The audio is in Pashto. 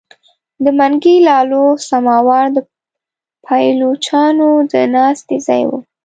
د منګي لالو سماوار د پایلوچانو د ناستې ځای وو.